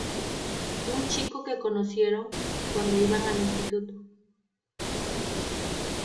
Un chico que conocieron cuando iban al instituto.